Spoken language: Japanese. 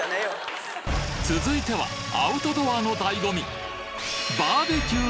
続いてはアウトドアの醍醐味